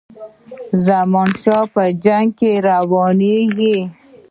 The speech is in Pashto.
د زمانشاه په جنګ روانیږي.